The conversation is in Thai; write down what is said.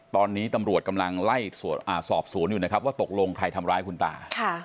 ตอนนี้ตำรวจกำลังไล่สอบสวนอยู่นะครับว่าตกลงใครทำร้ายคุณตา